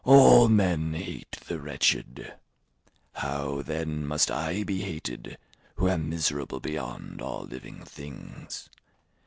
"All men hate the wretched; how, then, must I be hated, who am miserable beyond all living things!